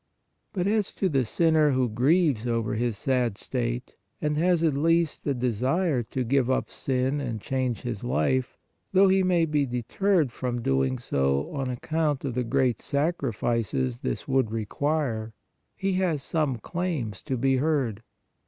But as to the sinner who grieves over his sad state, and has, at least, the desire to give up sin and change his life, though he may be deterred from doing so on account of the great sacrifices this would require, he has some claims to be heard.